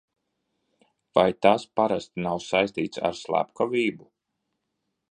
Vai tas parasti nav saistīts ar slepkavību?